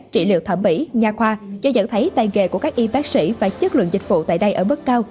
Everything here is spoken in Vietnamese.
trị liệu thẩm mỹ nhà khoa do nhận thấy tay nghề của các y bác sĩ và chất lượng dịch vụ tại đây ở mức cao